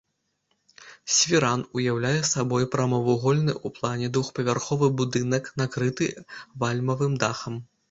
Свіран уяўляе сабой прамавугольны ў плане двухпавярховы будынак накрыты вальмавым дахам.